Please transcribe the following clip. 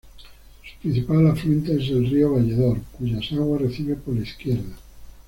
Su principal afluente es el "rio Valledor", cuyas aguas recibe por la izquierda.